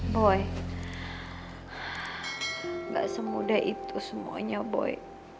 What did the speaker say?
boy gak semudah itu semuanya boy